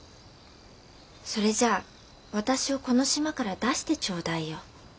『それじゃあ私をこの島から出してちょうだいよ。